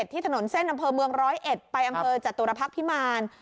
ที่ถนนเส้นอำเภอเมืองร้อยเอ็ดไปอำเภอจตุรพักษ์พิมาร